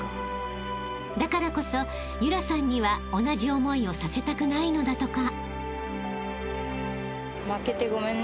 ［だからこそ夢空さんには同じ思いをさせたくないのだとか］